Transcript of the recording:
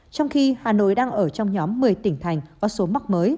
trong khi hà nội đang ở trong nhóm một mươi tỉnh thành có số mắc mới